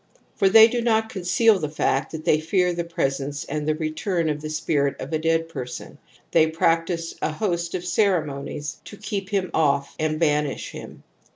For they do not conceal the fact that they fear the presence and the return of the spirit of a dead person ; they practise a host of ceremonies to keep him off and banish him.